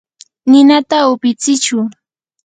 ninata upitsichu.